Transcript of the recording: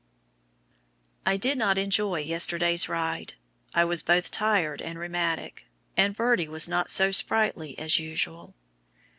I did not enjoy yesterday's ride. I was both tired and rheumatic, and Birdie was not so sprightly as usual.